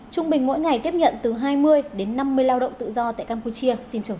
trung bình mỗi ngày tiếp nhận từ hai mươi đến năm mươi lao động tự do tại campuchia